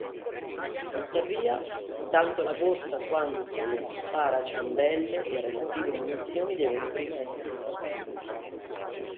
Tuttavia, tanto la borsa quanto lo spara-ciambelle e relative munizioni devono prima essere trovati.